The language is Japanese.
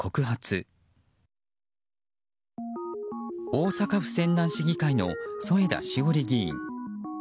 大阪府泉南市議会の添田詩織議員。